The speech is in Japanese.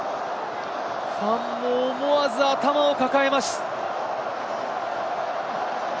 ファンも思わず頭を抱えます。